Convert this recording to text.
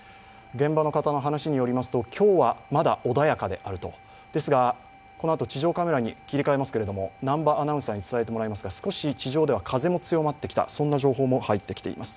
現場の方の話によりますと今日はまだ穏やかであると、ですが、このあと地上カメラに切り替えますけども南波アナウンサーに伝えてもらいますが、地上では少し風も強まってきたという情報も入ってきています。